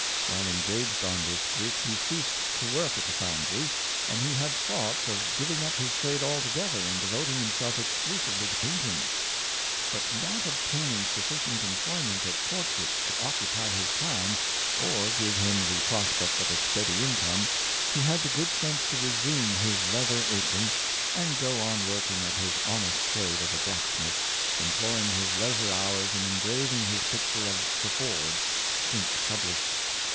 While engaged on this group he ceased to work at the foundry, and he had thoughts of giving up his trade altogether and de voting himself exclusively to painting. But not ob taining sufficient employment at portraits to occupy his time, or give him the prospect of a steady income, he had the good sense to resume his leather apron, and go on working at his honest trade of a blacksmith; em ploying his leisure hours in engraving his picture of " The Forge," since published.